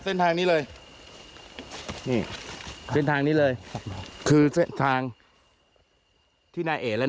เส้นทางนี้เลยนี่เส้นทางนี้เลยครับคือเส้นทางที่นายเอกและ